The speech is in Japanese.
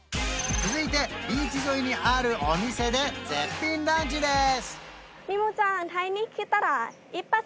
続いてビーチ沿いにあるお店で絶品ランチです